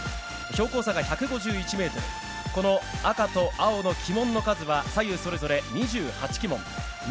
標高差が１５１ｍ赤と青の旗門の数は左右それぞれ２８旗門２６